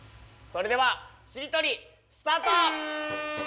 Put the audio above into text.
それではしりとりスタート！